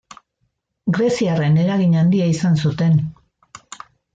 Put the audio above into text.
Greziarren eragin handia izan zuten.